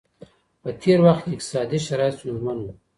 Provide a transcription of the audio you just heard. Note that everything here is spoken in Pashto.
په تېر وخت کي اقتصادي شرايط ستونزمن وو.